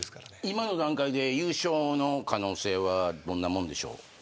今の段階で優勝の可能性はどんなものでしょう。